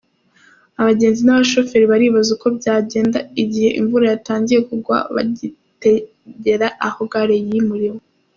Abagenzi n’abashoferi baribaza uko byagenda igihe imvura yatangira kugwa bagitegera aho gare yimuriwe.